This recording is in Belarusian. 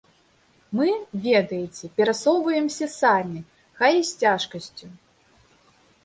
Мы, ведаеце, перасоўваемся самі, хай і з цяжкасцю.